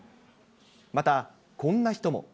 また、こんな人も。